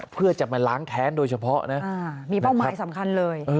เพื่อจะมาล้างแค้นโดยเฉพาะนะมีเป้าหมายสำคัญเลย